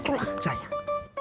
ya memang begitulah sayang